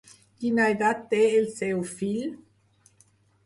Quina edat té el seu fill?